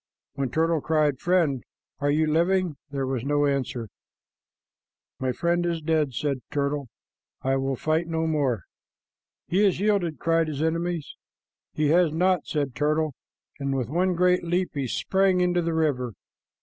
When Turtle cried, "Friend, are you living?" there was no answer. "My friend is dead," said Turtle. "I will fight no more." "He has yielded," cried his enemies. "He has not," said Turtle, and with one great leap he sprang into the river.